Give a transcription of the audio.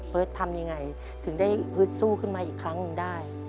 ทำยังไงถึงได้ฮึดสู้ขึ้นมาอีกครั้งหนึ่งได้